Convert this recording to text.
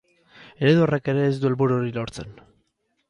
Eredu horrek ere ez du helburu hori lortzen.